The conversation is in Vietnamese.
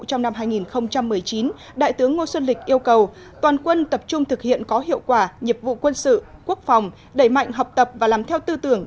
trong năm hai nghìn một mươi chín đại tướng ngô xuân lịch yêu cầu toàn quân tập trung thực hiện có hiệu quả nhiệm vụ quân sự quốc phòng đẩy mạnh học tập và làm theo tư tưởng